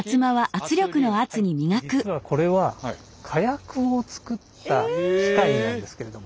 実はこれは火薬を作った機械なんですけれども。